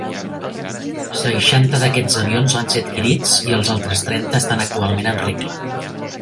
Seixanta d"aquests avions van ser adquirits i els altres trenta estan actualment en regla.